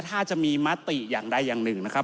ถ้าจะมีมาตติอย่างใดอย่าง๑นะครับ